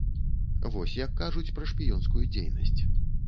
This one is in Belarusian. Вось як кажуць пра шпіёнскую дзейнасць.